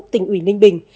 tỉnh ủy ninh bình